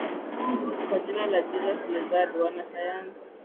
kwa jina la Jesus Lizard wana sayansi